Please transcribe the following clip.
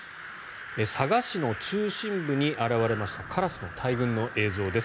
佐賀市の中心部に現れましたカラスの大群の映像です。